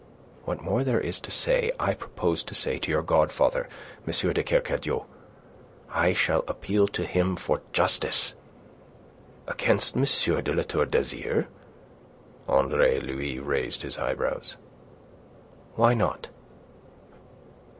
"What more there is to say I propose to say to your godfather, M. de Kercadiou. I shall appeal to him for justice." "Against M. de La Tour d'Azyr?" Andre Louis raised his eyebrows. "Why not?"